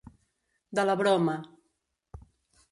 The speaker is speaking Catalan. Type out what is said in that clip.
De la broma.